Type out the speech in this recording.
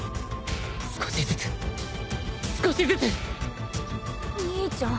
少しずつ少しずつ！兄ちゃん？